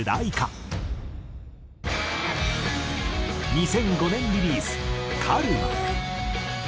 ２００５年リリース『カルマ』。